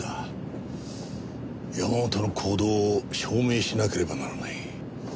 山本の行動を証明しなければならない。